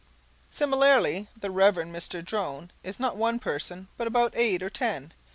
Similarly, the Reverend Mr. Drone is not one person but about eight or ten.